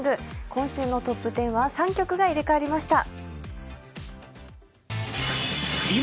今週のトップ１０は３曲が入れ代わりました。